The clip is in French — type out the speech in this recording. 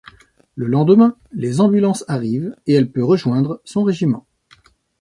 Le lendemain, les ambulances arrivent et elle peut rejoindre son régiment.